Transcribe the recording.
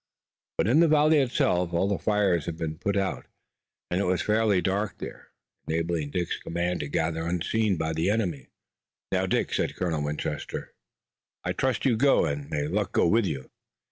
But in the valley itself all the fires had been put out, and it was fairly dark there, enabling Dick's command to gather unseen by the enemy. "Now, Dick," said Colonel Winchester, "I trust you. Go, and may luck go with you."